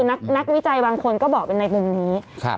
อันนี้ก็คือนักวิจัยบางคนก็บอกว่าเป็นในวงนี้ค่ะ